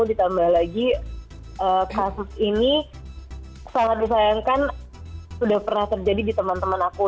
ditambah lagi kasus ini sangat disayangkan sudah pernah terjadi di teman teman aku